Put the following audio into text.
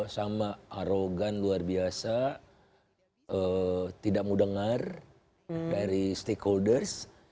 sama arogan luar biasa tidak mudengar dari stakeholders